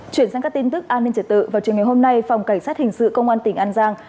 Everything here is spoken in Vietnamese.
chuyển sang các tin tức an ninh trật tự vào trường ngày hôm nay phòng cảnh sát hình sự công an tỉnh an giang